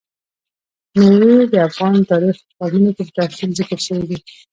مېوې د افغان تاریخ په کتابونو کې په تفصیل ذکر شوي دي.